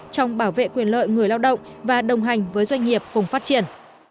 trong bảo vệ quyền lợi người lao động và đồng hành với doanh nghiệp cùng phát triển